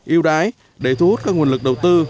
yêu đái để thu hút các nguồn lực đầu tư